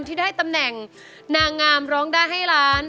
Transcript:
ที่ได้ตำแหน่งนางงามร้องได้ให้ล้าน